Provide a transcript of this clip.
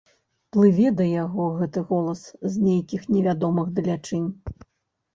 Плыве да яго гэты голас з нейкіх невядомых далячынь.